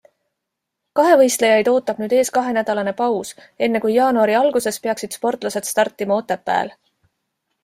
Kahevõistlejaid ootab nüüd ees kahenädalane paus, enne kui jaanuari alguses peaksid sportlased startima Otepääl.